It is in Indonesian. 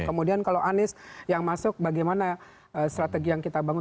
kemudian kalau anies yang masuk bagaimana strategi yang kita bangun